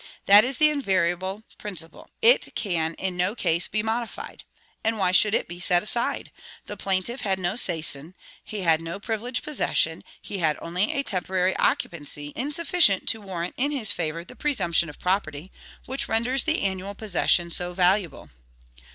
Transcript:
That is the invariable principle: it can in no case be modified. And why should it be set aside? The plaintiff had no seisin; he had no privileged possession; he had only a temporary occupancy, insufficient to warrant in his favor the presumption of property, which renders the annual possession so valuable.